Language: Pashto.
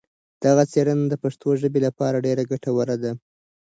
دغه څېړنه د پښتو ژبې لپاره ډېره ګټوره ده.